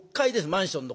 マンションの。